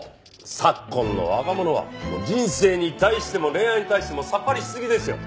昨今の若者は人生に対しても恋愛に対してもさっぱりしすぎですよ。